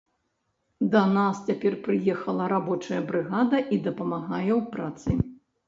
Да нас цяпер прыехала рабочая брыгада і дапамагае ў працы.